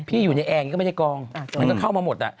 พี่อยู่ในแอร์ก็ไม่ได้กองมันก็เข้ามาหมด